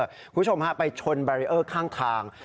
คุณผู้ชมฮะไปชนบารีเออร์ข้างทาง